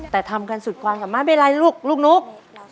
แต่ทำกันสุดความสามารถไม่เป็นไรลูกลูกนุ๊ก